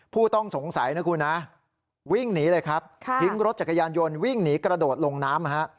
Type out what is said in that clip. ผู้ต้องสงสัยนะคุณนะวิ่งหนีเลยครับทิ้งรถจักรยานยนต์วิ่งหนีกระโดดลงน้ำ